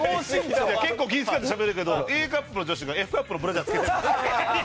結構気を使ってしゃべるけどＡカップの女子がＦカップのブラジャー着けてる。